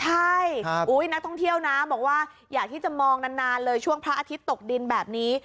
ใช่นักท่องเที่ยวนะบอกว่าอยากที่จะมองนานเลยช่วงพระอาทิตย์ตกดินแบบนี้